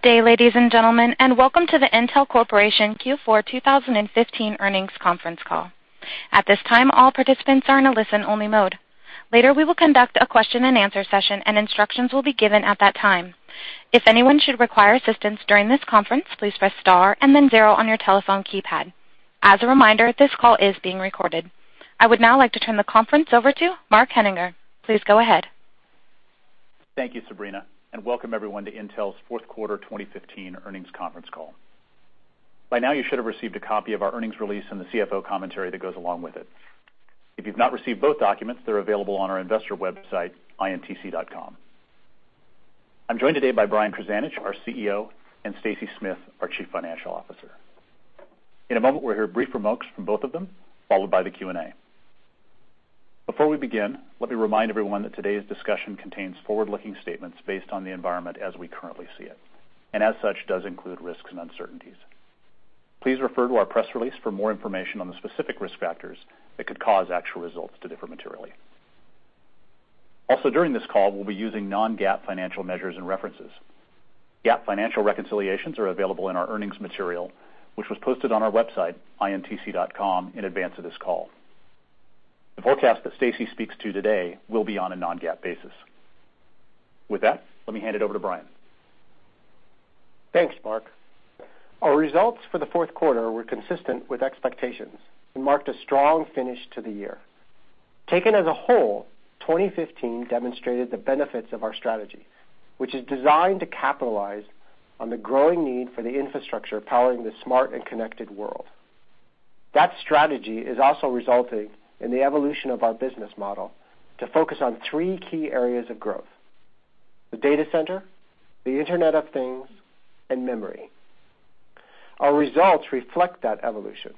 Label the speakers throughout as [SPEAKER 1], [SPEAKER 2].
[SPEAKER 1] Good day, ladies and gentlemen, and welcome to the Intel Corporation Q4 2015 earnings conference call. At this time, all participants are in a listen-only mode. Later, we will conduct a question-and-answer session, and instructions will be given at that time. If anyone should require assistance during this conference, please press star and then zero on your telephone keypad. As a reminder, this call is being recorded. I would now like to turn the conference over to Mark Henninger. Please go ahead.
[SPEAKER 2] Thank you, Sabrina, and welcome everyone to Intel's fourth quarter 2015 earnings conference call. By now, you should have received a copy of our earnings release and the CFO commentary that goes along with it. If you've not received both documents, they're available on our investor website, intc.com. I'm joined today by Brian Krzanich, our CEO, and Stacy Smith, our Chief Financial Officer. In a moment, we'll hear brief remarks from both of them, followed by the Q&A. Before we begin, let me remind everyone that today's discussion contains forward-looking statements based on the environment as we currently see it, and as such, does include risks and uncertainties. Please refer to our press release for more information on the specific risk factors that could cause actual results to differ materially. During this call, we'll be using non-GAAP financial measures and references. GAAP financial reconciliations are available in our earnings material, which was posted on our website, intc.com, in advance of this call. The forecast that Stacy speaks to today will be on a non-GAAP basis. With that, let me hand it over to Brian.
[SPEAKER 3] Thanks, Mark. Our results for the fourth quarter were consistent with expectations and marked a strong finish to the year. Taken as a whole, 2015 demonstrated the benefits of our strategy, which is designed to capitalize on the growing need for the infrastructure powering the smart and connected world. That strategy is also resulting in the evolution of our business model to focus on three key areas of growth, the Data Center, the Internet of Things, and memory. Our results reflect that evolution.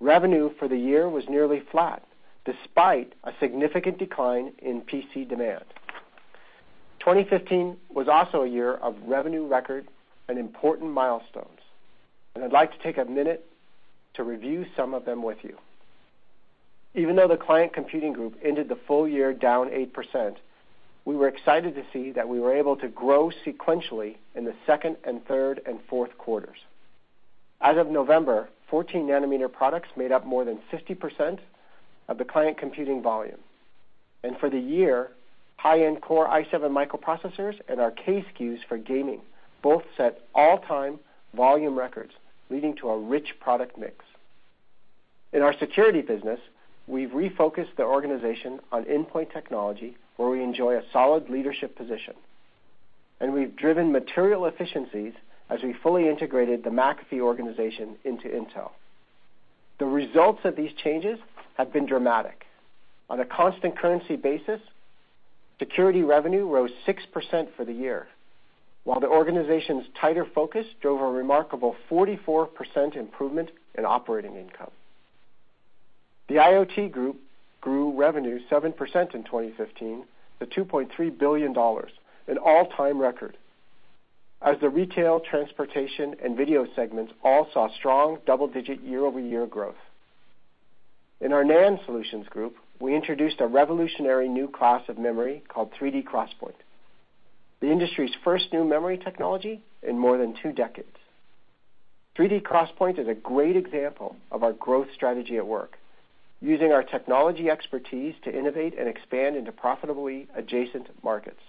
[SPEAKER 3] Revenue for the year was nearly flat, despite a significant decline in PC demand. 2015 was also a year of revenue record and important milestones. I'd like to take a minute to review some of them with you. Even though the Client Computing Group ended the full year down 8%, we were excited to see that we were able to grow sequentially in the second, third, and fourth quarters. As of November, 14-nanometer products made up more than 50% of the client computing volume. For the year, high-end Core i7 microprocessors and our K-SKUs for gaming both set all-time volume records, leading to a rich product mix. In our security business, we've refocused the organization on endpoint technology, where we enjoy a solid leadership position. We've driven material efficiencies as we fully integrated the McAfee organization into Intel. The results of these changes have been dramatic. On a constant currency basis, security revenue rose 6% for the year, while the organization's tighter focus drove a remarkable 44% improvement in operating income. The Internet of Things Group grew revenue 7% in 2015 to $2.3 billion, an all-time record, as the retail, transportation, and video segments all saw strong double-digit year-over-year growth. In our Non-Volatile Memory Solutions Group, we introduced a revolutionary new class of memory called 3D XPoint, the industry's first new memory technology in more than two decades. 3D XPoint is a great example of our growth strategy at work, using our technology expertise to innovate and expand into profitably adjacent markets.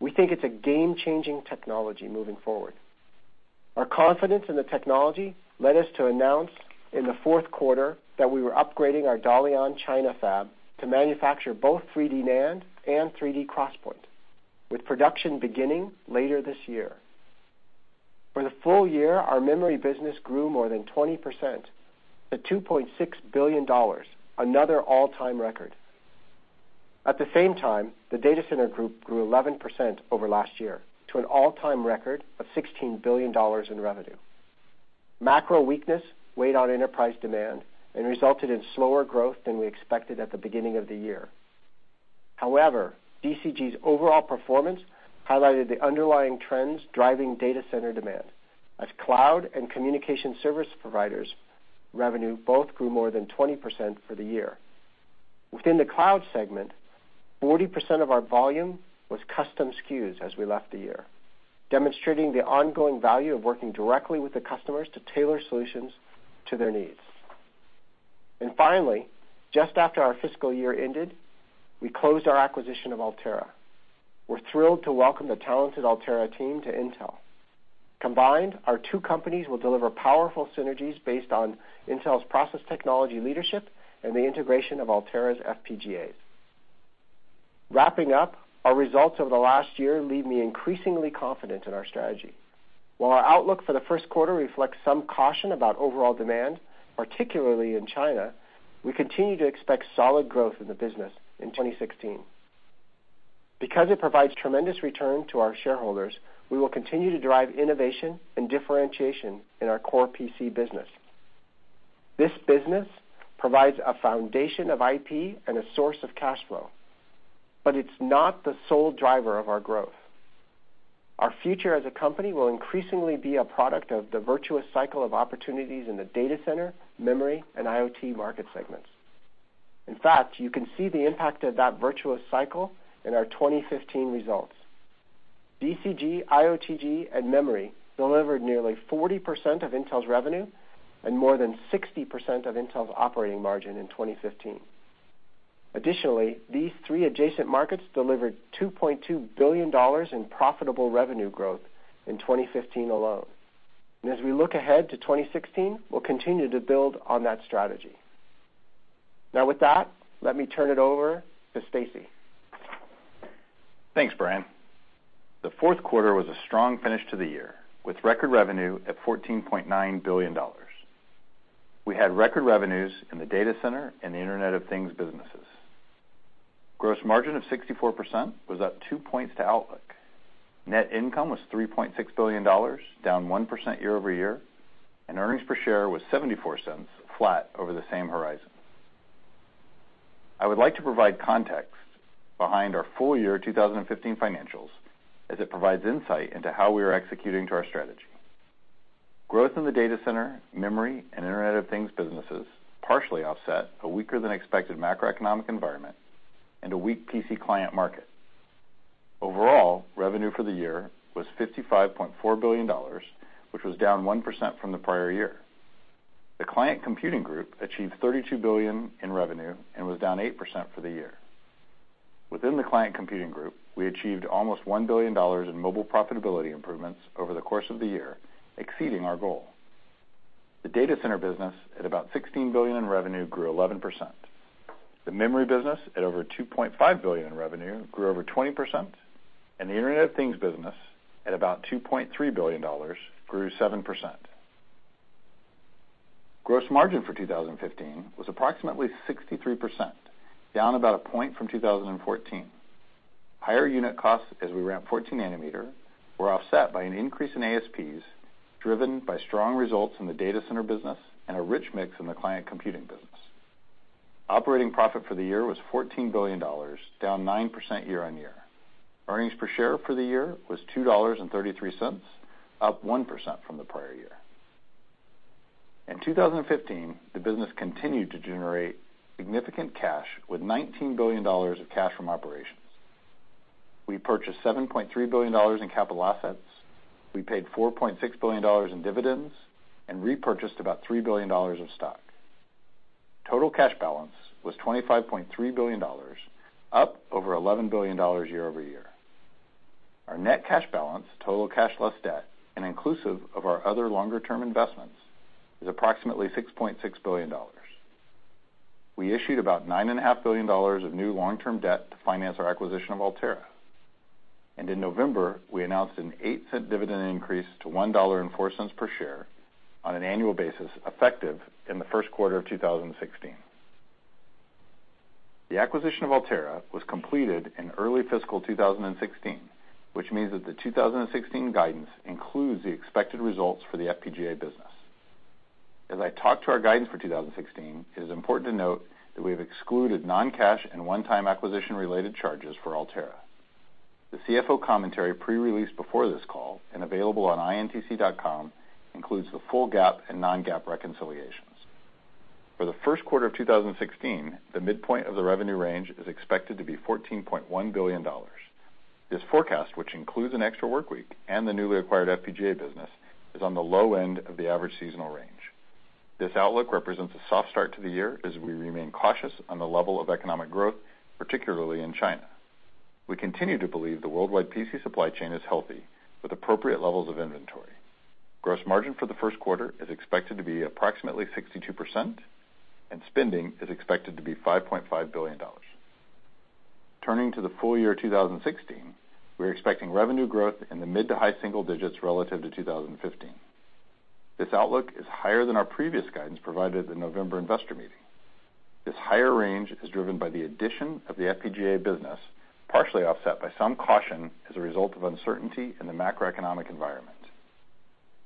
[SPEAKER 3] We think it's a game-changing technology moving forward. Our confidence in the technology led us to announce in the fourth quarter that we were upgrading our Dalian, China fab to manufacture both 3D NAND and 3D XPoint, with production beginning later this year. For the full year, our memory business grew more than 20% to $2.6 billion, another all-time record. At the same time, the Data Center Group grew 11% over last year to an all-time record of $16 billion in revenue. Macro weakness weighed on enterprise demand and resulted in slower growth than we expected at the beginning of the year. However, DCG's overall performance highlighted the underlying trends driving data center demand, as cloud and communication service providers revenue both grew more than 20% for the year. Within the cloud segment, 40% of our volume was custom SKUs as we left the year, demonstrating the ongoing value of working directly with the customers to tailor solutions to their needs. Finally, just after our fiscal year ended, we closed our acquisition of Altera. We're thrilled to welcome the talented Altera team to Intel. Combined, our two companies will deliver powerful synergies based on Intel's process technology leadership and the integration of Altera's FPGAs. Wrapping up, our results over the last year leave me increasingly confident in our strategy. While our outlook for the first quarter reflects some caution about overall demand, particularly in China, we continue to expect solid growth in the business in 2016. Because it provides tremendous return to our shareholders, we will continue to drive innovation and differentiation in our core PC business. This business provides a foundation of IP and a source of cash flow, but it's not the sole driver of our growth. Our future as a company will increasingly be a product of the virtuous cycle of opportunities in the data center, memory, and IoT market segments. In fact, you can see the impact of that virtuous cycle in our 2015 results. DCG, IoTG, and Memory delivered nearly 40% of Intel's revenue and more than 60% of Intel's operating margin in 2015. Additionally, these three adjacent markets delivered $2.2 billion in profitable revenue growth in 2015 alone. As we look ahead to 2016, we'll continue to build on that strategy. With that, let me turn it over to Stacy.
[SPEAKER 4] Thanks, Brian. The fourth quarter was a strong finish to the year, with record revenue at $14.9 billion. We had record revenues in the data center and the Internet of Things businesses. Gross margin of 64% was up 2 points to outlook. Net income was $3.6 billion, down 1% year-over-year, and earnings per share was $0.74, flat over the same horizon. I would like to provide context behind our full year 2015 financials, as it provides insight into how we are executing to our strategy. Growth in the data center, memory, and Internet of Things businesses partially offset a weaker-than-expected macroeconomic environment and a weak PC client market. Overall, revenue for the year was $55.4 billion, which was down 1% from the prior year. The Client Computing Group achieved $32 billion in revenue and was down 8% for the year. Within the Client Computing Group, we achieved almost $1 billion in mobile profitability improvements over the course of the year, exceeding our goal. The data center business, at about $16 billion in revenue, grew 11%. The memory business, at over $2.5 billion in revenue, grew over 20%, and the Internet of Things business, at about $2.3 billion, grew 7%. Gross margin for 2015 was approximately 63%, down about a point from 2014. Higher unit costs as we ramp 14-nanometer were offset by an increase in ASPs, driven by strong results in the data center business and a rich mix in the client computing business. Operating profit for the year was $14 billion, down 9% year-on-year. Earnings per share for the year was $2.33, up 1% from the prior year. In 2015, the business continued to generate significant cash with $19 billion of cash from operations. We purchased $7.3 billion in capital assets, we paid $4.6 billion in dividends, and repurchased about $3 billion of stock. Total cash balance was $25.3 billion, up over $11 billion year-over-year. Our net cash balance, total cash less debt, and inclusive of our other longer-term investments, is approximately $6.6 billion. We issued about nine and a half billion dollars of new long-term debt to finance our acquisition of Altera. In November, we announced an $0.08 dividend increase to $1.04 per share on an annual basis, effective in the first quarter of 2016. The acquisition of Altera was completed in early fiscal 2016, which means that the 2016 guidance includes the expected results for the FPGA business. As I talk to our guidance for 2016, it is important to note that we have excluded non-cash and one-time acquisition-related charges for Altera. The CFO commentary pre-released before this call, and available on intc.com, includes the full GAAP and non-GAAP reconciliations. For the first quarter of 2016, the midpoint of the revenue range is expected to be $14.1 billion. This forecast, which includes an extra workweek and the newly acquired FPGA business, is on the low end of the average seasonal range. This outlook represents a soft start to the year as we remain cautious on the level of economic growth, particularly in China. We continue to believe the worldwide PC supply chain is healthy, with appropriate levels of inventory. Gross margin for the first quarter is expected to be approximately 62%, and spending is expected to be $5.5 billion. Turning to the full year 2016, we're expecting revenue growth in the mid to high single digits relative to 2015. This outlook is higher than our previous guidance provided at the November investor meeting. This higher range is driven by the addition of the FPGA business, partially offset by some caution as a result of uncertainty in the macroeconomic environment.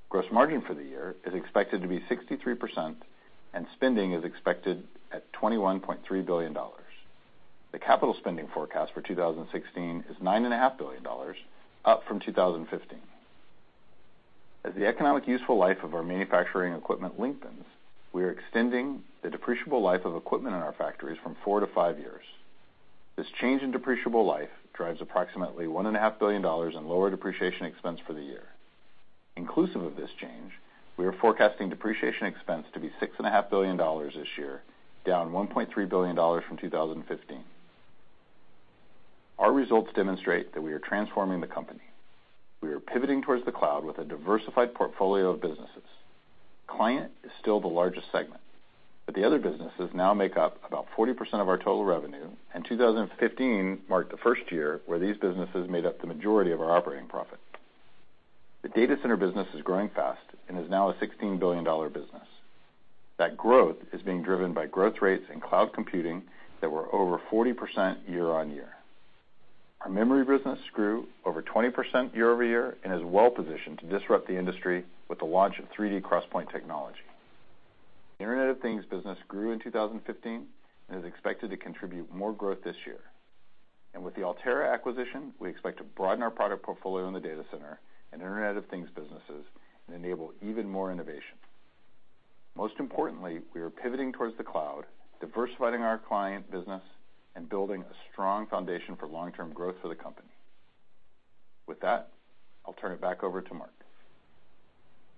[SPEAKER 4] Gross margin for the year is expected to be 63%, and spending is expected at $21.3 billion. The capital spending forecast for 2016 is nine and a half billion dollars, up from 2015. As the economic useful life of our manufacturing equipment lengthens, we are extending the depreciable life of equipment in our factories from four to five years. This change in depreciable life drives approximately one and a half billion dollars in lower depreciation expense for the year. Inclusive of this change, we are forecasting depreciation expense to be six and a half billion dollars this year, down $1.3 billion from 2015. Our results demonstrate that we are transforming the company. We are pivoting towards the cloud with a diversified portfolio of businesses. Client is still the largest segment, but the other businesses now make up about 40% of our total revenue, and 2015 marked the first year where these businesses made up the majority of our operating profit. The Data Center business is growing fast and is now a $16 billion business. That growth is being driven by growth rates in cloud computing that were over 40% year-on-year. Our memory business grew over 20% year-over-year and is well positioned to disrupt the industry with the launch of 3D XPoint technology. The Internet of Things business grew in 2015, is expected to contribute more growth this year. With the Altera acquisition, we expect to broaden our product portfolio in the Data Center and Internet of Things businesses, and enable even more innovation. Most importantly, we are pivoting towards the cloud, diversifying our client business, and building a strong foundation for long-term growth for the company. With that, I'll turn it back over to Mark.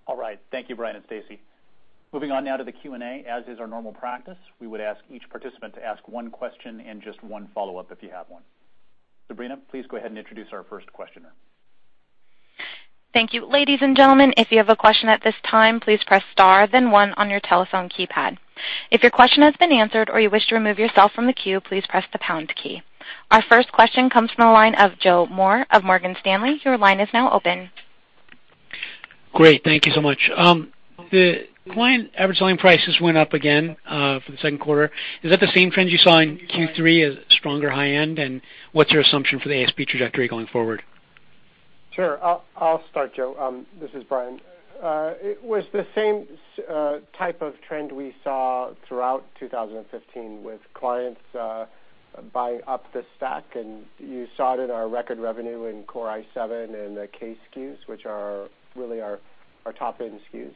[SPEAKER 2] All right. Thank you, Brian and Stacy. Moving on now to the Q&A. As is our normal practice, we would ask each participant to ask one question and just one follow-up if you have one. Sabrina, please go ahead and introduce our first questioner.
[SPEAKER 1] Thank you. Ladies and gentlemen, if you have a question at this time, please press star then one on your telephone keypad. If your question has been answered or you wish to remove yourself from the queue, please press the pound key. Our first question comes from the line of Joseph Moore of Morgan Stanley. Your line is now open.
[SPEAKER 5] Great. Thank you so much. The client ASPs went up again, for the second quarter. Is that the same trend you saw in Q3 as stronger high-end? What's your assumption for the ASP trajectory going forward?
[SPEAKER 3] Sure. I'll start, Joe. This is Brian. It was the same type of trend we saw throughout 2015 with clients buying up the stack, and you saw it in our record revenue in Core i7 and the K SKUs, which are really our top-end SKUs.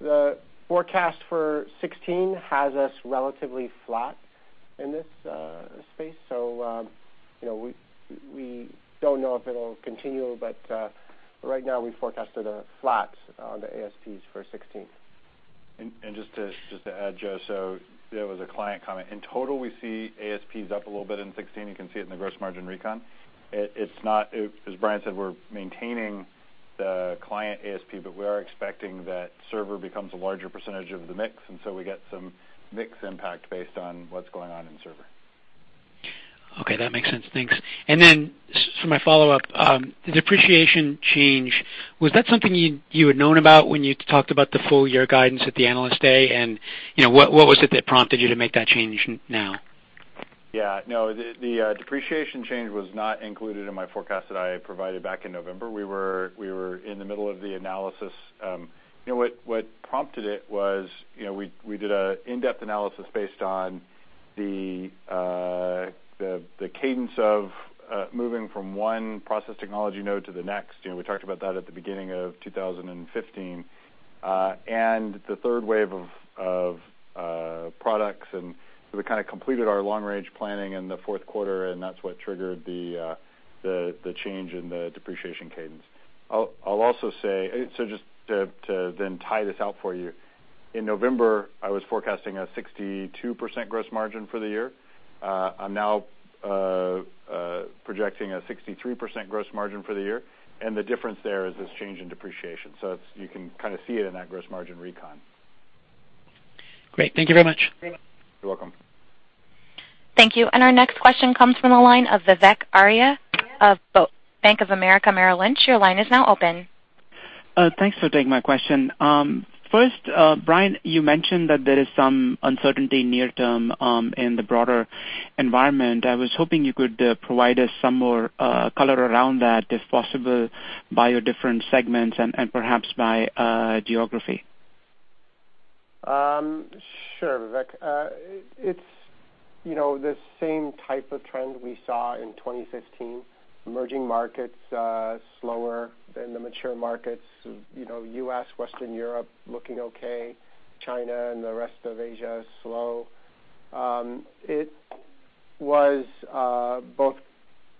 [SPEAKER 3] The forecast for 2016 has us relatively flat in this space. We don't know if it'll continue, but right now, we forecasted a flat on the ASPs for 2016.
[SPEAKER 4] Just to add, Joe, there was a client comment. In total, we see ASPs up a little bit in 2016. You can see it in the gross margin recon. As Brian said, we're maintaining the client ASP, we are expecting that server becomes a larger percentage of the mix, we get some mix impact based on what's going on in server.
[SPEAKER 5] Okay. That makes sense. Thanks. For my follow-up, the depreciation change, was that something you had known about when you talked about the full-year guidance at the Analyst Day? What was it that prompted you to make that change now?
[SPEAKER 4] No, the depreciation change was not included in my forecast that I had provided back in November. We were in the middle of the analysis. What prompted it was, we did an in-depth analysis based on the cadence of moving from one process technology node to the next. We talked about that at the beginning of 2015. The third wave of products, we completed our long-range planning in the fourth quarter, that's what triggered the change in the depreciation cadence. I'll also say, just to then tie this out for you, in November, I was forecasting a 62% gross margin for the year. I'm now projecting a 63% gross margin for the year, the difference there is this change in depreciation. You can see it in that gross margin recon.
[SPEAKER 5] Great. Thank you very much.
[SPEAKER 4] You're welcome.
[SPEAKER 1] Thank you. Our next question comes from the line of Vivek Arya of Bank of America Merrill Lynch. Your line is now open.
[SPEAKER 6] Thanks for taking my question. First, Brian, you mentioned that there is some uncertainty near term in the broader environment. I was hoping you could provide us some more color around that, if possible, by your different segments and perhaps by geography.
[SPEAKER 3] Sure, Vivek. It's the same type of trend we saw in 2015. Emerging markets, slower than the mature markets. U.S., Western Europe, looking okay. China and the rest of Asia, slow. It was both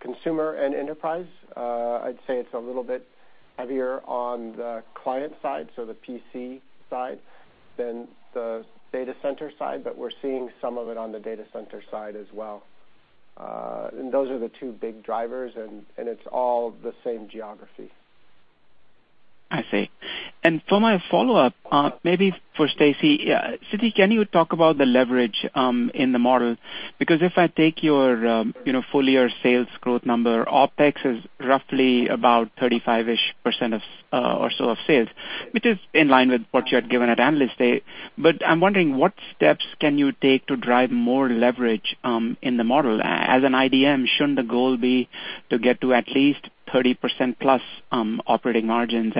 [SPEAKER 3] consumer and enterprise. I'd say it's a little bit heavier on the client side, so the PC side, than the Data Center side, but we're seeing some of it on the Data Center side as well. Those are the two big drivers, and it's all the same geography.
[SPEAKER 6] I see. For my follow-up, maybe for Stacy. Can you talk about the leverage in the model? Because if I take your full-year sales growth number, OpEx is roughly about 35%-ish or so of sales, which is in line with what you had given at Analyst Day. I'm wondering what steps can you take to drive more leverage in the model? As an IDM, shouldn't the goal be to get to at least 30% plus operating margins?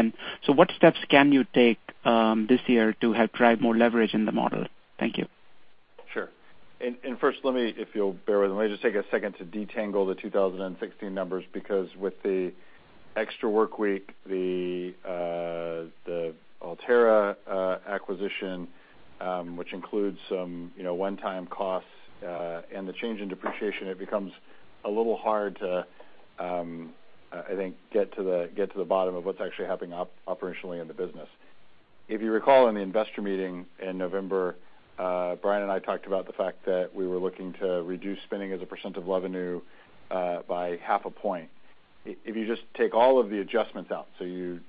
[SPEAKER 6] What steps can you take this year to help drive more leverage in the model? Thank you.
[SPEAKER 4] Sure. First, if you'll bear with me, let me just take a second to detangle the 2016 numbers, because with the extra work week, the Altera acquisition, which includes some one-time costs, and the change in depreciation, it becomes a little hard to, I think, get to the bottom of what's actually happening operationally in the business. If you recall, in the investor meeting in November, Brian and I talked about the fact that we were looking to reduce spending as a percent of revenue by half a point. If you just take all of the adjustments out, you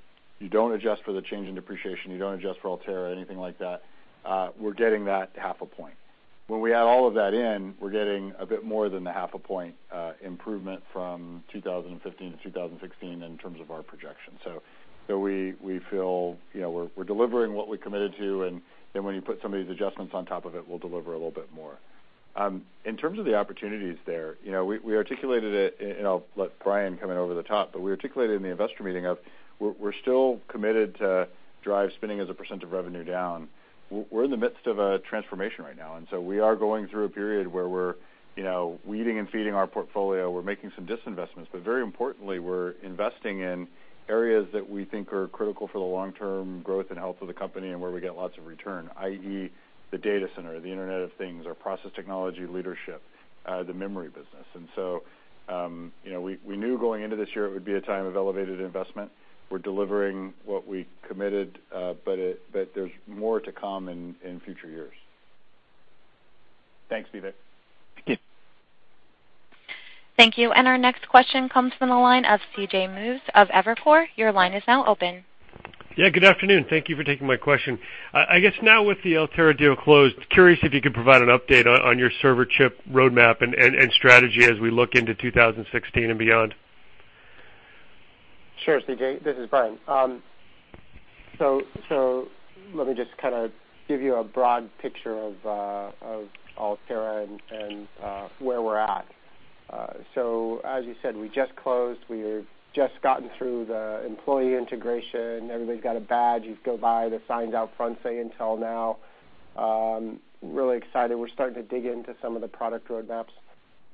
[SPEAKER 4] don't adjust for the change in depreciation, you don't adjust for Altera or anything like that, we're getting that half a point. When we add all of that in, we're getting a bit more than the half a point improvement from 2015 to 2016 in terms of our projection. We feel we're delivering what we committed to. When you put some of these adjustments on top of it, we'll deliver a little bit more. In terms of the opportunities there, we articulated it, I'll let Brian come in over the top, we articulated in the investor meeting of we're still committed to drive spending as a percent of revenue down. We're in the midst of a transformation right now. We are going through a period where we're weeding and feeding our portfolio. We're making some disinvestment, very importantly, we're investing in areas that we think are critical for the long-term growth and health of the company and where we get lots of return, i.e., the data center, the Internet of Things, our process technology leadership, the memory business. We knew going into this year it would be a time of elevated investment. We're delivering what we committed, there's more to come in future years.
[SPEAKER 3] Thanks, Vivek.
[SPEAKER 6] Thank you.
[SPEAKER 1] Thank you. Our next question comes from the line of C.J. Muse of Evercore. Your line is now open.
[SPEAKER 7] Good afternoon. Thank you for taking my question. I guess now with the Altera deal closed, curious if you could provide an update on your server chip roadmap and strategy as we look into 2016 and beyond.
[SPEAKER 3] Sure, C.J. This is Brian. Let me just give you a broad picture of Altera and where we're at. As you said, we just closed. We've just gotten through the employee integration. Everybody's got a badge. You go by, the signs out front say Intel now. Really excited. We're starting to dig into some of the product roadmaps.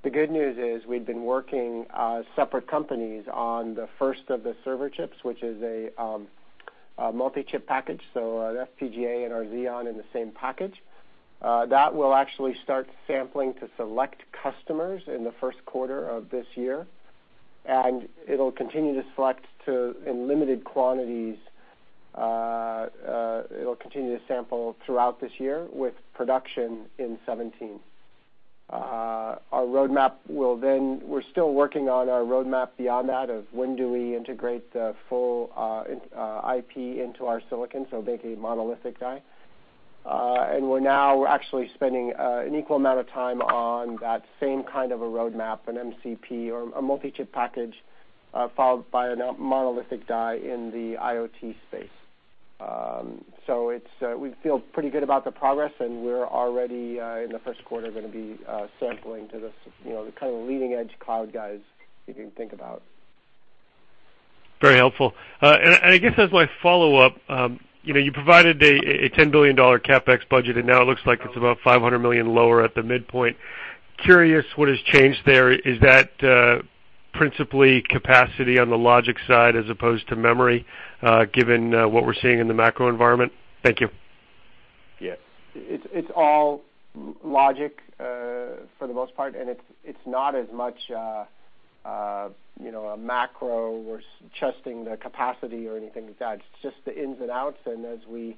[SPEAKER 3] The good news is we'd been working separate companies on the first of the server chips, which is a multi-chip package, so an FPGA and our Xeon in the same package. That will actually start sampling to select customers in the first quarter of this year, and it'll continue to select in limited quantities. It'll continue to sample throughout this year with production in 2017. We're still working on our roadmap beyond that of when do we integrate the full IP into our silicon, so make a monolithic die. We're now actually spending an equal amount of time on that same kind of a roadmap, an MCP or a multi-chip package, followed by a monolithic die in the IoT space. We feel pretty good about the progress, and we're already in the first quarter, going to be sampling to this leading-edge cloud guys you can think about.
[SPEAKER 7] Very helpful. I guess as my follow-up, you provided a $10 billion CapEx budget, and now it looks like it's about $500 million lower at the midpoint. Curious what has changed there. Is that principally capacity on the logic side as opposed to memory, given what we're seeing in the macro environment? Thank you.
[SPEAKER 3] Yes. It's all logic, for the most part, and it's not as much a macro or adjusting the capacity or anything like that. It's just the ins and outs, and as we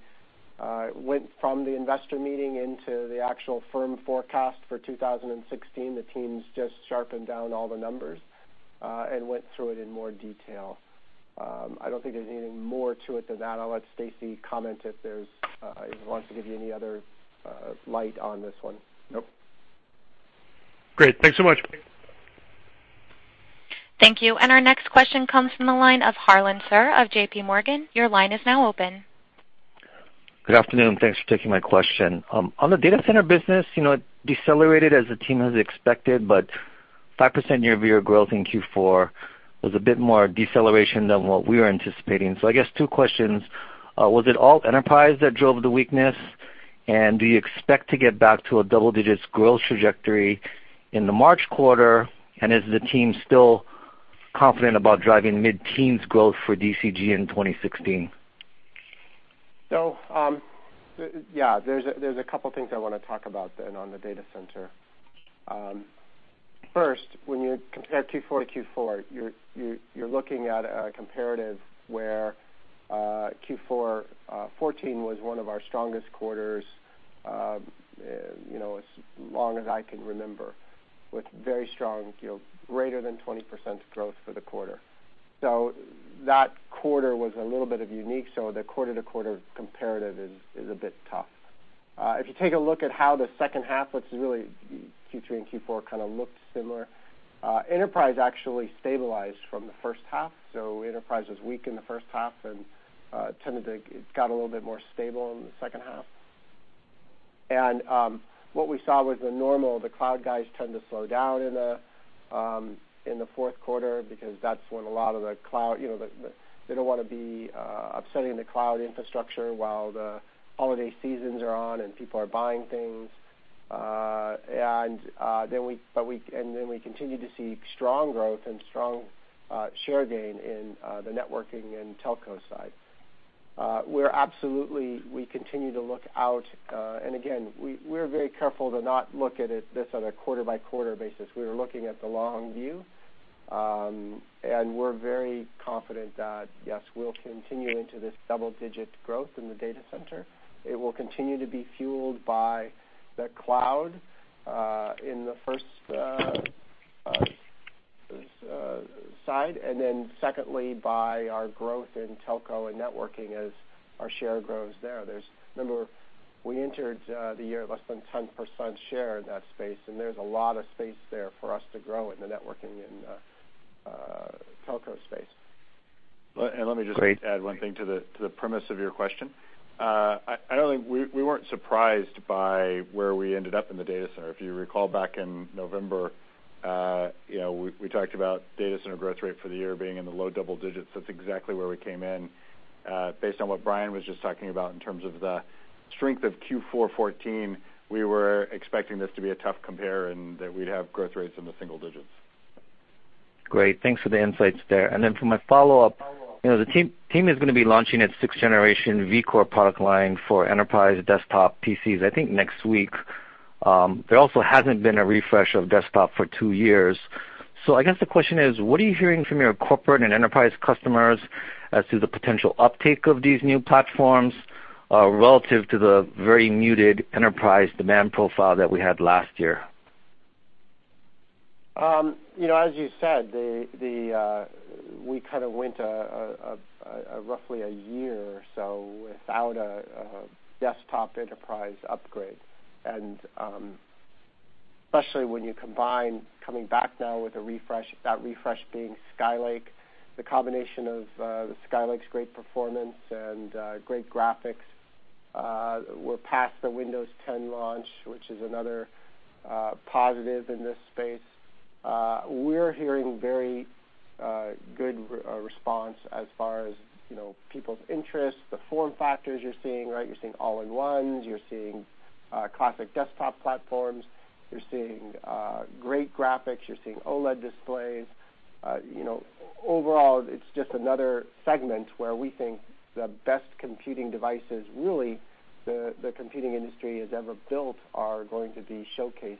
[SPEAKER 3] went from the investor meeting into the actual firm forecast for 2016, the teams just sharpened down all the numbers, and went through it in more detail. I don't think there's anything more to it than that. I'll let Stacy comment if he wants to give you any other light on this one.
[SPEAKER 4] Nope.
[SPEAKER 7] Great. Thanks so much.
[SPEAKER 1] Thank you. Our next question comes from the line of Harlan Sur of J.P. Morgan. Your line is now open.
[SPEAKER 8] Good afternoon. Thanks for taking my question. On the data center business, it decelerated as the team has expected, 5% year-over-year growth in Q4 was a bit more deceleration than what we were anticipating. I guess two questions. Was it all enterprise that drove the weakness, and do you expect to get back to a double-digit growth trajectory in the March quarter, and is the team still confident about driving mid-teens growth for DCG in 2016?
[SPEAKER 3] Yeah, there's a couple things I want to talk about then on the data center. First, when you compare Q4 to Q4, you're looking at a comparative where Q4 2014 was one of our strongest quarters, as long as I can remember, with very strong, greater than 20% growth for the quarter. That quarter was a little bit unique, so the quarter-to-quarter comparative is a bit tough. If you take a look at how the second half, which is really Q3 and Q4 kind of looked similar, enterprise actually stabilized from the first half, so enterprise was weak in the first half and it got a little bit more stable in the second half. What we saw was the normal, the cloud guys tend to slow down in the fourth quarter because that's when a lot of the cloud they don't want to be upsetting the cloud infrastructure while the holiday seasons are on and people are buying things. Then we continued to see strong growth and strong share gain in the networking and telco side. We continue to look out, and again, we're very careful to not look at this on a quarter-by-quarter basis. We are looking at the long view, and we're very confident that, yes, we'll continue into this double-digit growth in the data center. It will continue to be fueled by the cloud in the first side, and then secondly, by our growth in telco and networking as our share grows there. Remember, we entered the year less than 10% share in that space, there's a lot of space there for us to grow in the networking and telco space.
[SPEAKER 4] Let me just add one thing to the premise of your question. We weren't surprised by where we ended up in the data center. If you recall back in November, we talked about data center growth rate for the year being in the low double digits. That's exactly where we came in. Based on what Brian was just talking about in terms of the strength of Q4 2014, we were expecting this to be a tough compare and that we'd have growth rates in the single digits.
[SPEAKER 8] Great. Thanks for the insights there. Then for my follow-up, the team is going to be launching its sixth-generation vPro product line for enterprise desktop PCs, I think, next week. There also hasn't been a refresh of desktop for two years. I guess the question is, what are you hearing from your corporate and enterprise customers as to the potential uptake of these new platforms relative to the very muted enterprise demand profile that we had last year?
[SPEAKER 3] As you said, we kind of went roughly a year or so without a desktop enterprise upgrade. Especially when you combine coming back now with a refresh, that refresh being Skylake, the combination of Skylake's great performance and great graphics. We're past the Windows 10 launch, which is another positive in this space. We're hearing a very good response as far as people's interest, the form factors you're seeing. You're seeing all-in-ones, you're seeing classic desktop platforms, you're seeing great graphics, you're seeing OLED displays. Overall, it's just another segment where we think the best computing devices, really, the computing industry has ever built are going to be showcased.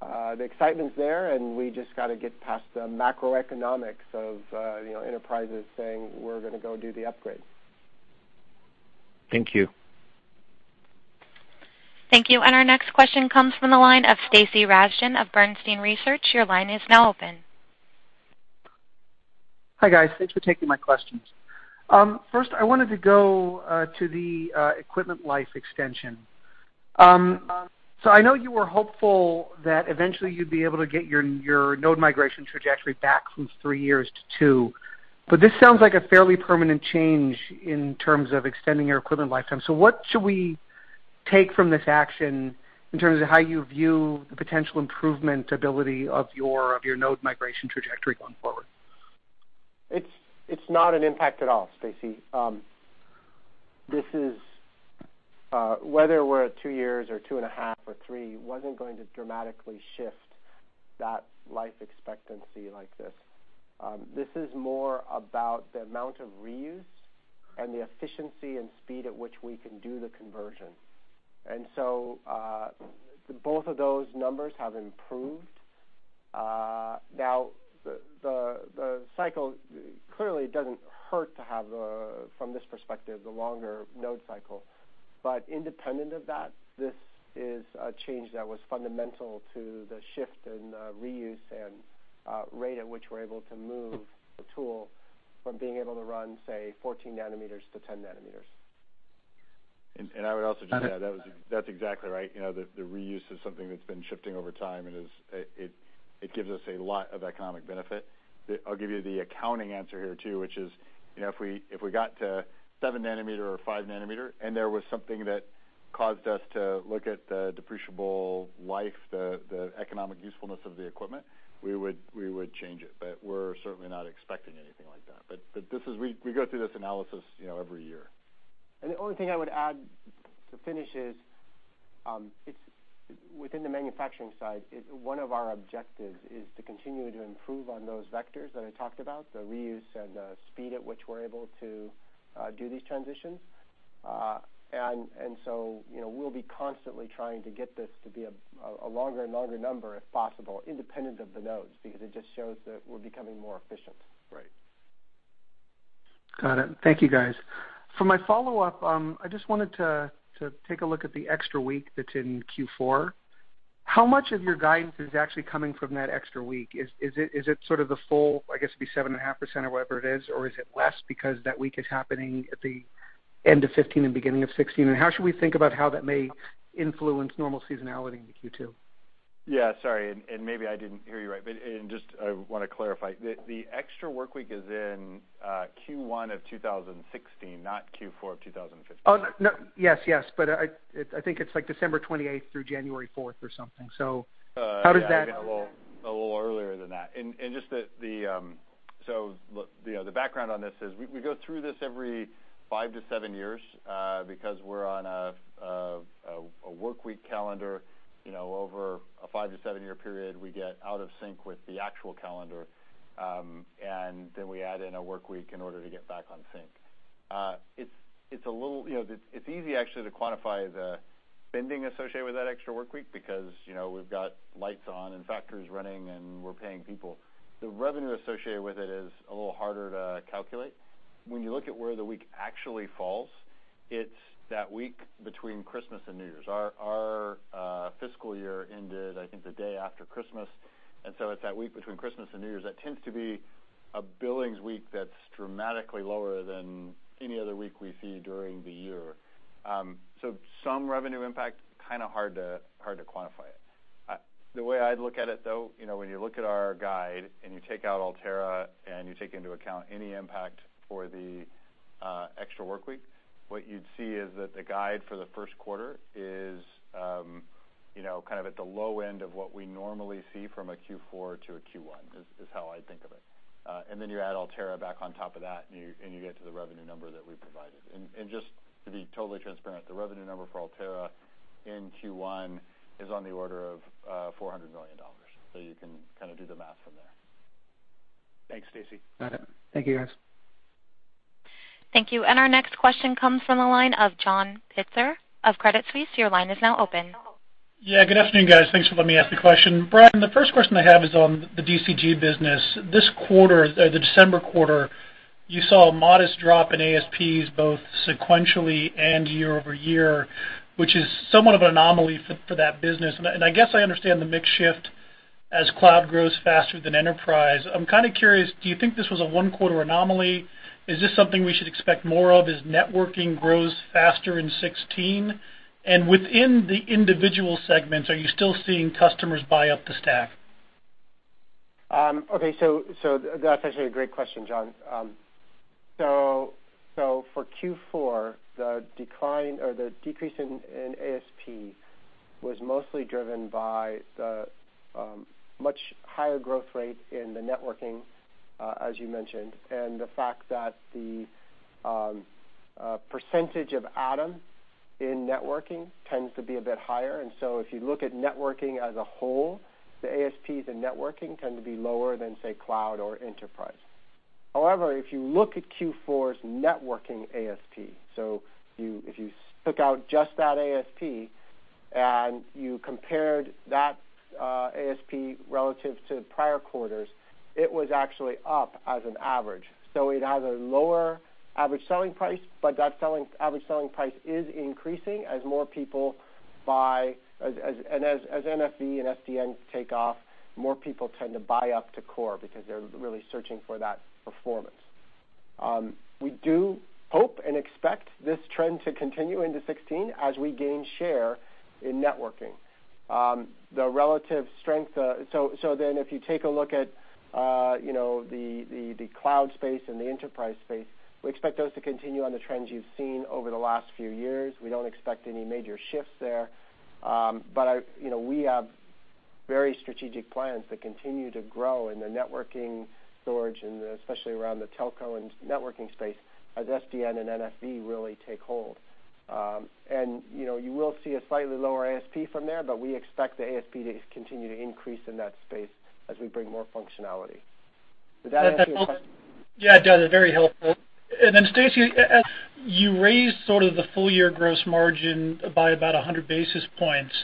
[SPEAKER 3] The excitement's there, and we just got to get past the macroeconomics of enterprises saying, "We're going to go do the upgrade.
[SPEAKER 8] Thank you.
[SPEAKER 1] Thank you. Our next question comes from the line of Stacy Rasgon of Bernstein Research. Your line is now open.
[SPEAKER 9] Hi, guys. Thanks for taking my questions. First, I wanted to go to the equipment life extension. I know you were hopeful that eventually you'd be able to get your node migration trajectory back from three years to two, but this sounds like a fairly permanent change in terms of extending your equipment lifetime. What should we take from this action in terms of how you view the potential improvement ability of your node migration trajectory going forward?
[SPEAKER 3] It's not an impact at all, Stacy. Whether we're at two years or two and a half or three wasn't going to dramatically shift that life expectancy like this. This is more about the amount of reuse and the efficiency and speed at which we can do the conversion. Both of those numbers have improved. Now, the cycle clearly doesn't hurt to have, from this perspective, the longer node cycle. Independent of that, this is a change that was fundamental to the shift in reuse and rate at which we're able to move the tool from being able to run, say, 14-nanometer to 10-nanometer.
[SPEAKER 4] I would also just add, that's exactly right. The reuse is something that's been shifting over time, and it gives us a lot of economic benefit. I'll give you the accounting answer here, too, which is if we got to 7-nanometer or 5-nanometer and there was something that caused us to look at the depreciable life, the economic usefulness of the equipment, we would change it. We're certainly not expecting anything like that. We go through this analysis every year.
[SPEAKER 3] The only thing I would add to finish is, within the manufacturing side, one of our objectives is to continue to improve on those vectors that I talked about, the reuse and the speed at which we're able to do these transitions. We'll be constantly trying to get this to be a longer and longer number if possible, independent of the nodes, because it just shows that we're becoming more efficient.
[SPEAKER 4] Right.
[SPEAKER 9] Got it. Thank you, guys. For my follow-up, I just wanted to take a look at the extra week that's in Q4. How much of your guidance is actually coming from that extra week? Is it sort of the full, I guess it'd be 7.5% or whatever it is, or is it less because that week is happening at the end of 2015 and beginning of 2016? How should we think about how that may influence normal seasonality into Q2?
[SPEAKER 4] Yeah, sorry. Maybe I didn't hear you right, but I want to clarify. The extra workweek is in Q1 of 2016, not Q4 of 2015.
[SPEAKER 9] Oh, yes. I think it's December 28th through January 4th or something. How does that-
[SPEAKER 4] Yeah. A little earlier than that. The background on this is we go through this every five to seven years because we're on a workweek calendar. Over a five- to seven-year period, we get out of sync with the actual calendar, and then we add in a workweek in order to get back on sync. It's easy, actually, to quantify the spending associated with that extra workweek because we've got lights on and factories running, and we're paying people. The revenue associated with it is a little harder to calculate. When you look at where the week actually falls, it's that week between Christmas and New Year's. Our fiscal year ended, I think, the day after Christmas, it's that week between Christmas and New Year's. That tends to be a billings week that's dramatically lower than any other week we see during the year. Some revenue impact, kind of hard to quantify it. The way I'd look at it, though, when you look at our guide and you take out Altera and you take into account any impact for the extra work week, what you'd see is that the guide for the first quarter is at the low end of what we normally see from a Q4 to a Q1, is how I think of it. You add Altera back on top of that, and you get to the revenue number that we provided. Just to be totally transparent, the revenue number for Altera in Q1 is on the order of $400 million. You can do the math from there. Thanks, Stacy.
[SPEAKER 9] Got it. Thank you, guys.
[SPEAKER 1] Thank you. Our next question comes from the line of John Pitzer of Credit Suisse. Your line is now open.
[SPEAKER 10] Good afternoon, guys. Thanks for letting me ask the question. Brian, the first question I have is on the DCG business. This quarter, the December quarter, you saw a modest drop in ASPs, both sequentially and year-over-year, which is somewhat of an anomaly for that business. I guess I understand the mix shift as cloud grows faster than enterprise. I'm kind of curious, do you think this was a one-quarter anomaly? Is this something we should expect more of as networking grows faster in 2016? Within the individual segments, are you still seeing customers buy up the stack?
[SPEAKER 3] That's actually a great question, John. For Q4, the decline or the decrease in ASP was mostly driven by the much higher growth rate in the networking, as you mentioned, and the fact that the percentage of Atom in networking tends to be a bit higher. If you look at networking as a whole, the ASPs in networking tend to be lower than, say, cloud or enterprise. However, if you look at Q4's networking ASP, if you took out just that ASP, and you compared that ASP relative to prior quarters, it was actually up as an average. It has a lower average selling price, but that average selling price is increasing as more people buy. As NFV and SDN take off, more people tend to buy up to core because they're really searching for that performance. We do hope and expect this trend to continue into 2016 as we gain share in networking. If you take a look at the cloud space and the enterprise space, we expect those to continue on the trends you've seen over the last few years. We don't expect any major shifts there. We have very strategic plans to continue to grow in the networking storage, and especially around the telco and networking space as SDN and NFV really take hold. You will see a slightly lower ASP from there, but we expect the ASP to continue to increase in that space as we bring more functionality. Did that answer your question?
[SPEAKER 10] Yeah, it does. Very helpful. Stacy, you raised sort of the full-year gross margin by about 100 basis points.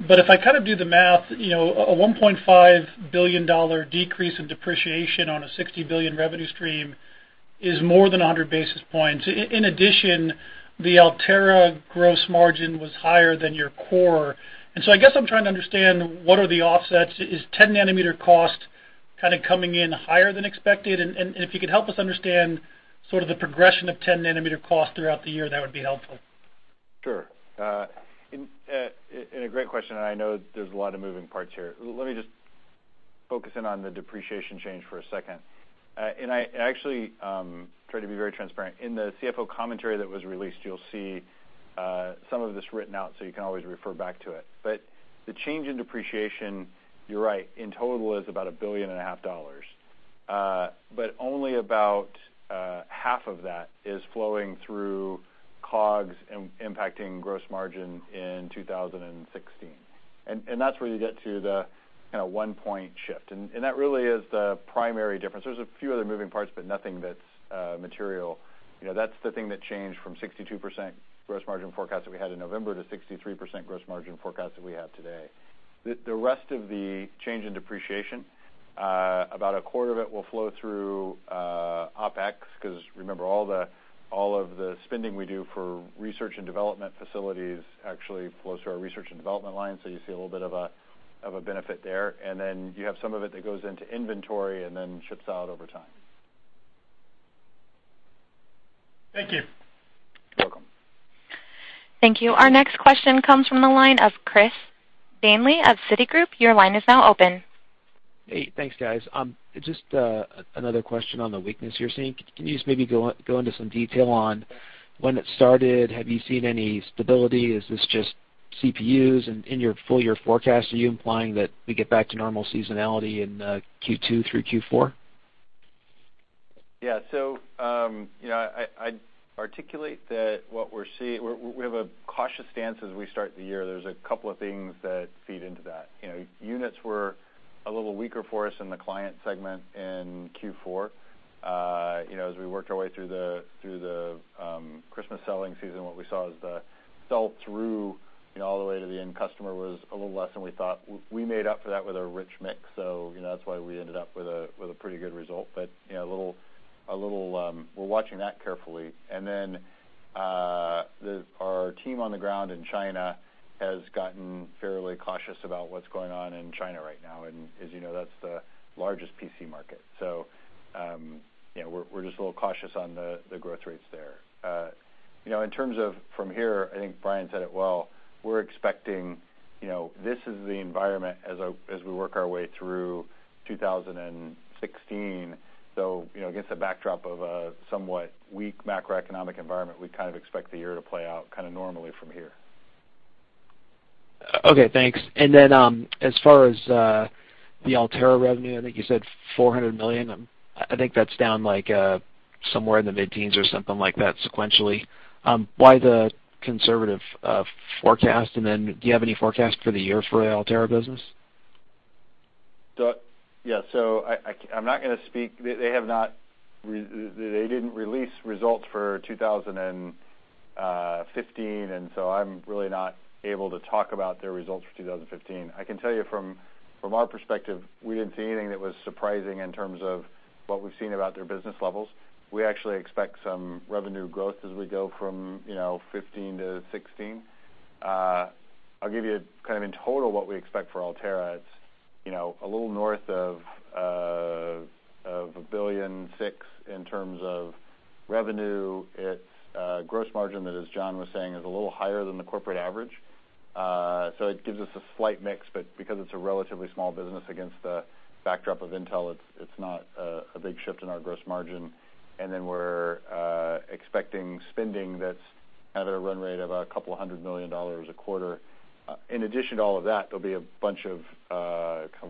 [SPEAKER 10] If I do the math, a $1.5 billion decrease in depreciation on a $60 billion revenue stream is more than 100 basis points. In addition, the Altera gross margin was higher than your core. I guess I'm trying to understand what are the offsets. Is 10-nanometer cost kind of coming in higher than expected? If you could help us understand sort of the progression of 10-nanometer cost throughout the year, that would be helpful.
[SPEAKER 4] Sure. A great question, I know there's a lot of moving parts here. Let me just focus in on the depreciation change for a second. I actually try to be very transparent. In the CFO commentary that was released, you'll see some of this written out, so you can always refer back to it. The change in depreciation, you're right, in total is about a $1.5 billion. Only about half of that is flowing through COGS, impacting gross margin in 2016. That's where you get to the kind of one-point shift. That really is the primary difference. There's a few other moving parts, but nothing that's material. That's the thing that changed from 62% gross margin forecast that we had in November to 63% gross margin forecast that we have today. The rest of the change in depreciation, about a quarter of it will flow through OpEx, because remember, all of the spending we do for research and development facilities actually flows to our research and development line. You see a little bit of a benefit there. You have some of it that goes into inventory and then shifts out over time.
[SPEAKER 10] Thank you.
[SPEAKER 4] You're welcome.
[SPEAKER 1] Thank you. Our next question comes from the line of Christopher Danely of Citigroup. Your line is now open.
[SPEAKER 11] Hey, thanks, guys. Just another question on the weakness you're seeing. Can you just maybe go into some detail on when it started? Have you seen any stability? Is this just CPUs? In your full-year forecast, are you implying that we get back to normal seasonality in Q2 through Q4?
[SPEAKER 4] I'd articulate that we have a cautious stance as we start the year. There's a couple of things that feed into that. Units were a little weaker for us in the client segment in Q4. As we worked our way through the Christmas selling season, what we saw is the sell-through all the way to the end customer was a little less than we thought. We made up for that with a rich mix, that's why we ended up with a pretty good result. We're watching that carefully. Our team on the ground in China has gotten fairly cautious about what's going on in China right now. As you know, that's the largest PC market. We're just a little cautious on the growth rates there. In terms of from here, I think Brian said it well. We're expecting this is the environment as we work our way through 2016. Against the backdrop of a somewhat weak macroeconomic environment, we kind of expect the year to play out kind of normally from here.
[SPEAKER 11] Okay, thanks. As far as the Altera revenue, I think you said $400 million. I think that's down somewhere in the mid-teens or something like that sequentially. Why the conservative forecast, do you have any forecast for the year for the Altera business?
[SPEAKER 4] Yeah. I'm not going to speak. They didn't release results for 2015, I'm really not able to talk about their results for 2015. I can tell you from our perspective, we didn't see anything that was surprising in terms of what we've seen about their business levels. We actually expect some revenue growth as we go from 2015 to 2016. I'll give you, in total, what we expect for Altera. It's a little north of $1.6 billion in terms of revenue. Its gross margin, as John was saying, is a little higher than the corporate average. It gives us a slight mix, but because it's a relatively small business against the backdrop of Intel, it's not a big shift in our gross margin. We're expecting spending that's at a run rate of a couple of $100 million a quarter. In addition to all of that, there'll be a bunch of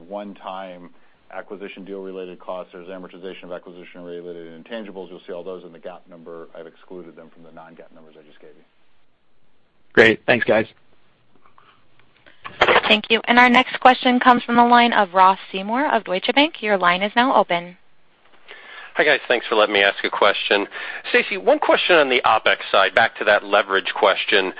[SPEAKER 4] one-time acquisition deal-related costs. There's amortization of acquisition-related intangibles. You'll see all those in the GAAP number. I've excluded them from the non-GAAP numbers I just gave you.
[SPEAKER 11] Great. Thanks, guys.
[SPEAKER 1] Thank you. Our next question comes from the line of Ross Seymore of Deutsche Bank. Your line is now open.
[SPEAKER 12] Hi, guys. Thanks for letting me ask a question. Stacy, one question on the OpEx side, back to that leverage question.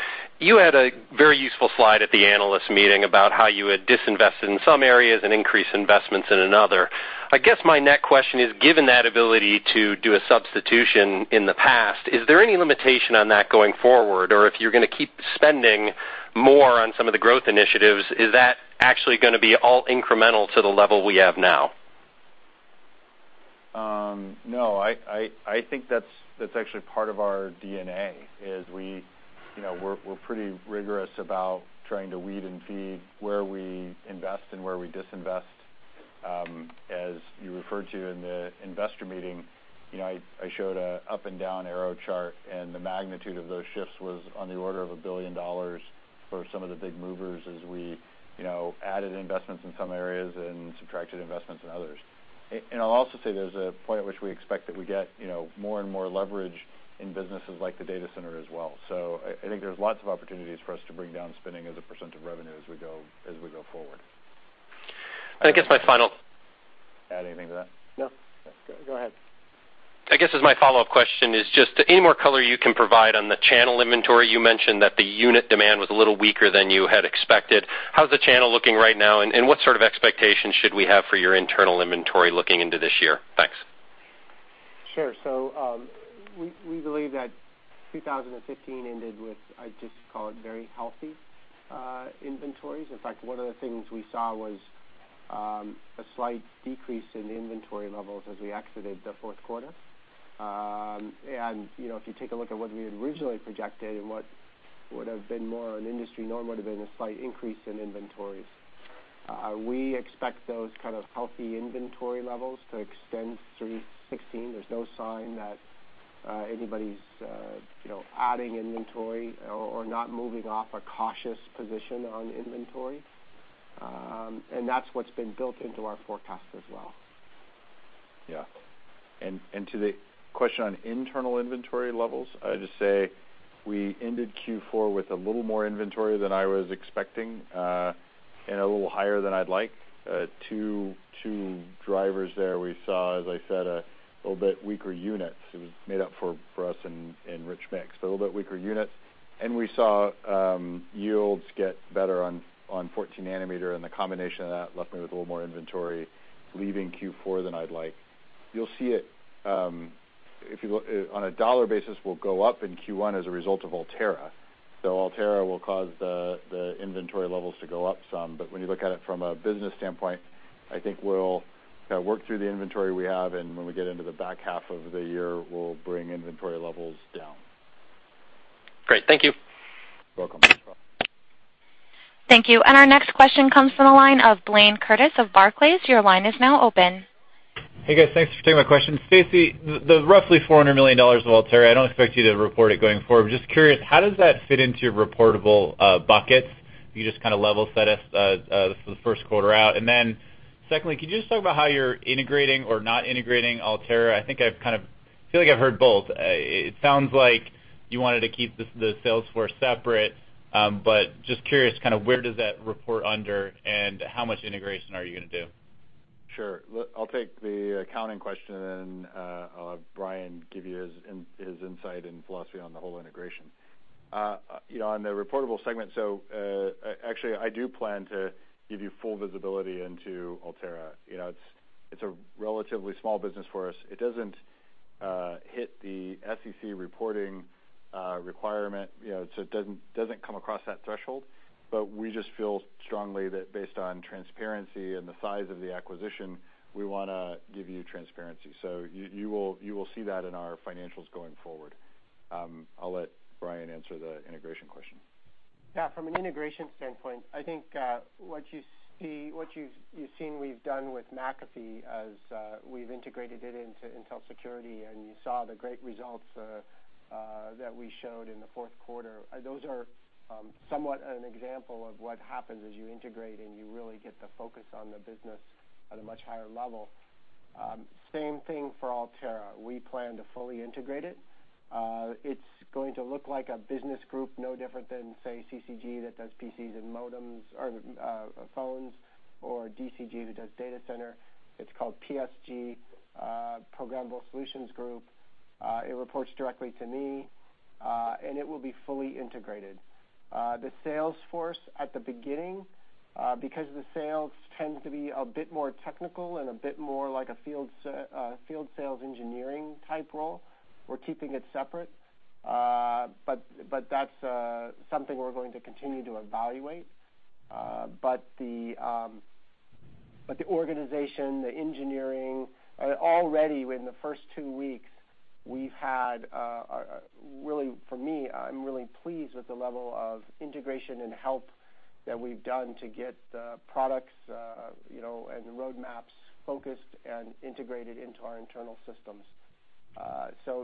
[SPEAKER 12] You had a very useful slide at the analyst meeting about how you would disinvest in some areas and increase investments in another. I guess my next question is, given that ability to do a substitution in the past, is there any limitation on that going forward? Or if you're going to keep spending more on some of the growth initiatives, is that actually going to be all incremental to the level we have now?
[SPEAKER 4] No, I think that's actually part of our DNA, is we're pretty rigorous about trying to weed and feed where we invest and where we disinvest. As you referred to in the investor meeting, I showed an up and down arrow chart, and the magnitude of those shifts was on the order of $1 billion for some of the big movers as we added investments in some areas and subtracted investments in others. I'll also say there's a point at which we expect that we get more and more leverage in businesses like the data center as well. I think there's lots of opportunities for us to bring down spending as a percent of revenue as we go forward.
[SPEAKER 12] I guess my final-
[SPEAKER 4] Add anything to that?
[SPEAKER 3] No. Go ahead.
[SPEAKER 12] I guess as my follow-up question is just any more color you can provide on the channel inventory. You mentioned that the unit demand was a little weaker than you had expected. How's the channel looking right now, and what sort of expectations should we have for your internal inventory looking into this year? Thanks.
[SPEAKER 3] Sure. We believe that 2015 ended with, I'd just call it, very healthy inventories. In fact, one of the things we saw was a slight decrease in inventory levels as we exited the fourth quarter. If you take a look at what we had originally projected and what would have been more an industry norm, would've been a slight increase in inventories. We expect those kind of healthy inventory levels to extend through 2016. There's no sign that anybody's adding inventory or not moving off a cautious position on inventory. That's what's been built into our forecast as well.
[SPEAKER 4] Yeah. To the question on internal inventory levels, I'd just say we ended Q4 with a little more inventory than I was expecting, and a little higher than I'd like. Two drivers there. We saw, as I said, a little bit weaker units. It was made up for us in rich mix. A little bit weaker units, and we saw yields get better on 14-nanometer, and the combination of that left me with a little more inventory leaving Q4 than I'd like. You'll see it, on a dollar basis, will go up in Q1 as a result of Altera. Altera will cause the inventory levels to go up some. When you look at it from a business standpoint, I think we'll work through the inventory we have, and when we get into the back half of the year, we'll bring inventory levels down.
[SPEAKER 12] Great. Thank you.
[SPEAKER 4] You're welcome.
[SPEAKER 1] Thank you. Our next question comes from the line of Blayne Curtis of Barclays. Your line is now open.
[SPEAKER 13] Hey, guys. Thanks for taking my question. Stacy, the roughly $400 million of Altera, I don't expect you to report it going forward. Just curious, how does that fit into your reportable buckets? Can you just level set us for the first quarter out? Secondly, could you just talk about how you're integrating or not integrating Altera? I feel like I've heard both. It sounds like you wanted to keep the sales force separate. Just curious, where does that report under, and how much integration are you going to do?
[SPEAKER 4] Sure. I'll take the accounting question, and then I'll have Brian give you his insight and philosophy on the whole integration. On the reportable segment, actually, I do plan to give you full visibility into Altera. It's a relatively small business for us. It doesn't hit the SEC reporting requirement, so it doesn't come across that threshold. We just feel strongly that based on transparency and the size of the acquisition, we want to give you transparency. You will see that in our financials going forward. I'll let Brian answer the integration question.
[SPEAKER 3] From an integration standpoint, I think what you've seen we've done with McAfee as we've integrated it into Intel Security, you saw the great results that we showed in the fourth quarter. Those are somewhat an example of what happens as you integrate, you really get to focus on the business at a much higher level. Same thing for Altera. We plan to fully integrate it. It's going to look like a business group, no different than, say, CCG that does PCs and modems or phones, or DCG that does data center. It's called PSG, Programmable Solutions Group. It reports directly to me, and it will be fully integrated. The sales force at the beginning, because the sales tend to be a bit more technical and a bit more like a field sales engineering type role, we're keeping it separate. That's something we're going to continue to evaluate. The organization, the engineering, already in the first two weeks, for me, I'm really pleased with the level of integration and help that we've done to get products and roadmaps focused and integrated into our internal systems.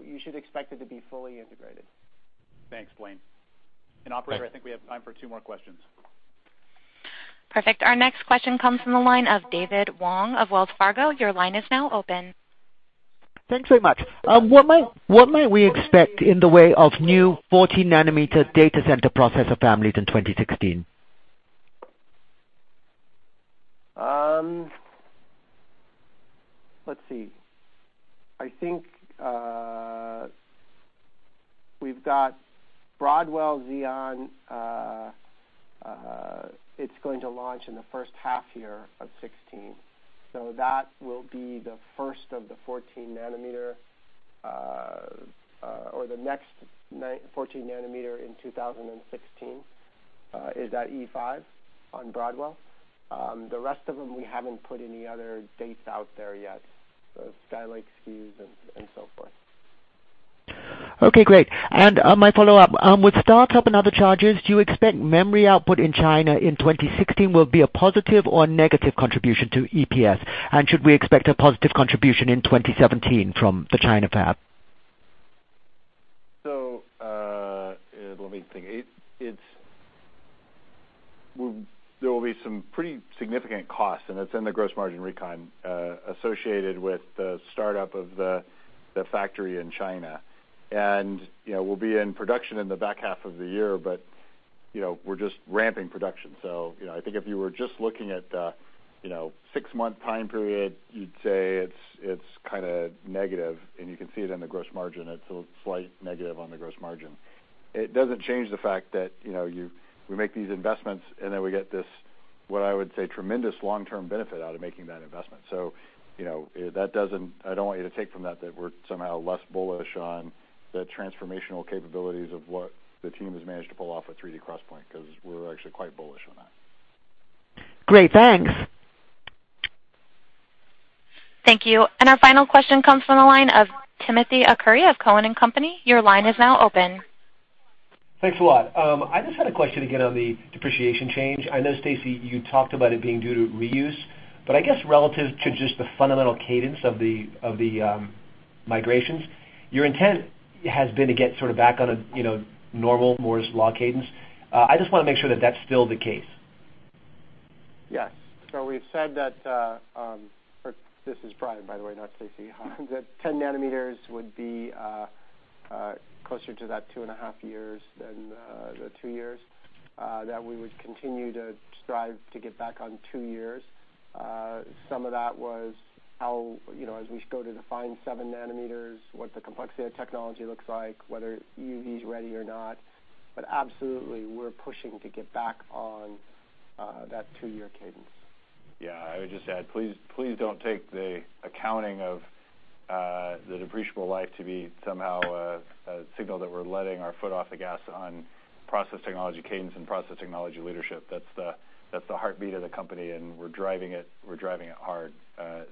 [SPEAKER 3] You should expect it to be fully integrated.
[SPEAKER 2] Thanks, Blayne. Operator, I think we have time for two more questions.
[SPEAKER 1] Perfect. Our next question comes from the line of David Wong of Wells Fargo. Your line is now open.
[SPEAKER 14] Thanks very much. What might we expect in the way of new 14-nanometer Data Center processor families in 2016?
[SPEAKER 3] Let's see. I think we've got Broadwell Xeon. It's going to launch in the first half year of 2016. That will be the first of the 14-nanometer or the next 14-nanometer in 2016 is that E5 on Broadwell. The rest of them, we haven't put any other dates out there yet, the Skylake SKUs and so forth.
[SPEAKER 14] Okay, great. My follow-up, with startup and other charges, do you expect memory output in China in 2016 will be a positive or negative contribution to EPS? Should we expect a positive contribution in 2017 from the China fab?
[SPEAKER 4] Let me think. There will be some pretty significant costs, and it's in the gross margin recon, associated with the startup of the factory in China. We'll be in production in the back half of the year, but we're just ramping production. I think if you were just looking at the six-month time period, you'd say it's negative, and you can see it in the gross margin. It's a slight negative on the gross margin. It doesn't change the fact that we make these investments, and then we get this, what I would say, tremendous long-term benefit out of making that investment. I don't want you to take from that we're somehow less bullish on the transformational capabilities of what the team has managed to pull off with 3D XPoint, because we're actually quite bullish on that.
[SPEAKER 14] Great. Thanks.
[SPEAKER 1] Thank you. Our final question comes from the line of Timothy Arcuri of Cowen and Company. Your line is now open.
[SPEAKER 15] Thanks a lot. I just had a question again on the depreciation change. I know, Stacy, you talked about it being due to reuse, but I guess relative to just the fundamental cadence of the migrations, your intent has been to get sort of back on a normal Moore's Law cadence. I just want to make sure that that's still the case.
[SPEAKER 3] Yes. We've said that, or this is Brian, by the way, not Stacy, that 10-nanometer would be closer to that two and a half years than the two years, that we would continue to strive to get back on two years. Some of that was as we go to define 7-nanometer, what the complexity of technology looks like, whether EUV is ready or not. Absolutely, we're pushing to get back on that two-year cadence.
[SPEAKER 4] Yeah, I would just add, please don't take the accounting of the depreciable life to be somehow a signal that we're letting our foot off the gas on process technology cadence and process technology leadership. That's the heartbeat of the company, and we're driving it hard.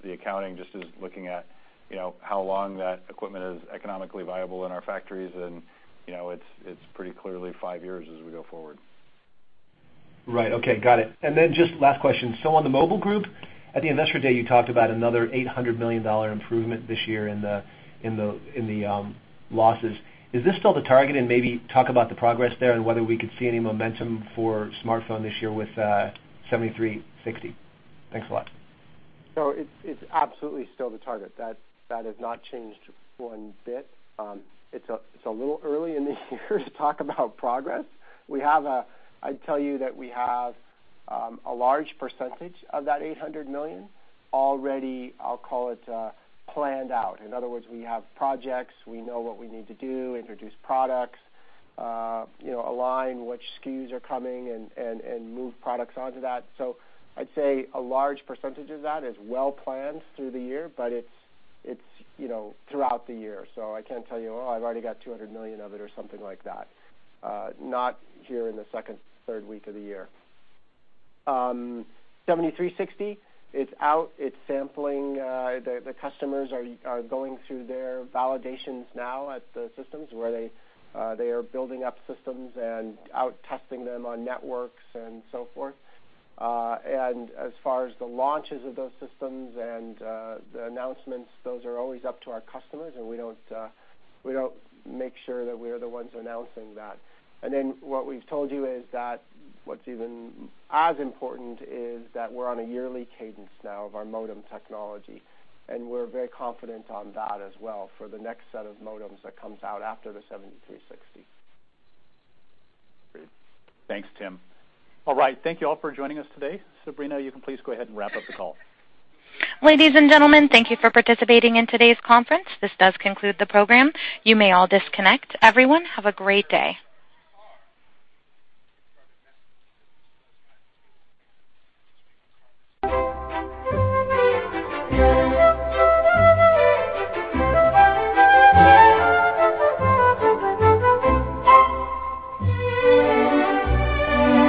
[SPEAKER 4] The accounting just is looking at how long that equipment is economically viable in our factories, and it's pretty clearly five years as we go forward.
[SPEAKER 15] Right. Okay. Got it. Just last question. On the mobile group, at the investor day, you talked about another $800 million improvement this year in the losses. Is this still the target? And maybe talk about the progress there and whether we could see any momentum for smartphone this year with 7360. Thanks a lot.
[SPEAKER 3] It's absolutely still the target. That has not changed one bit. It's a little early in the year to talk about progress. I'd tell you that we have a large percentage of that $800 million already, I'll call it, planned out. In other words, we have projects. We know what we need to do, introduce products, align which SKUs are coming, and move products onto that. I'd say a large percentage of that is well-planned through the year, but it's throughout the year. I can't tell you, "Oh, I've already got $200 million of it" or something like that. Not here in the second, third week of the year. 7360, it's out. It's sampling. The customers are going through their validations now at the systems where they are building up systems and out testing them on networks and so forth. As far as the launches of those systems and the announcements, those are always up to our customers, and we don't make sure that we're the ones announcing that. What we've told you is that what's even as important is that we're on a yearly cadence now of our modem technology, and we're very confident on that as well for the next set of modems that comes out after the 7360.
[SPEAKER 4] Great. Thanks, Tim. All right. Thank you all for joining us today. Sabrina, you can please go ahead and wrap up the call.
[SPEAKER 1] Ladies and gentlemen, thank you for participating in today's conference. This does conclude the program. You may all disconnect. Everyone, have a great day.